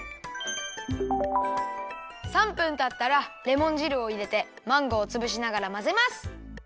３分たったらレモンじるをいれてマンゴーをつぶしながらまぜます。